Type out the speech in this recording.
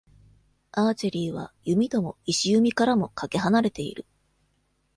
アーチェリーは、弓とも弩からもかけ離れている。